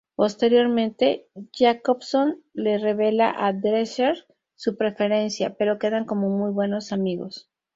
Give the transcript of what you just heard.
Posteriormente Jacobson le revela a Drescher su preferencia, pero quedan como muy buenos amigos.